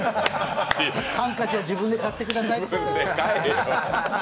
ハンカチは自分で買ってくださいって。